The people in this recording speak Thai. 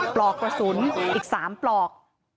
ปลอกกระสุนอีก๓ปลอก